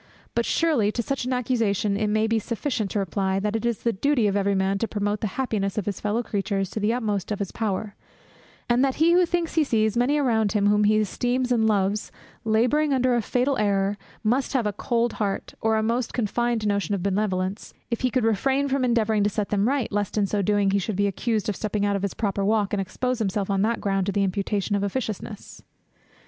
But surely to such an accusation it may be sufficient to reply, that it is the duty of every man to promote the happiness of his fellow creatures to the utmost of his power; and that he who thinks he sees many around him, whom he esteems and loves, labouring under a fatal error, must have a cold heart, or a most confined notion of benevolence, if he could refrain from endeavouring to set them right, lest in so doing he should be accused of stepping out of his proper walk, and expose himself on that ground to the imputation of officiousness.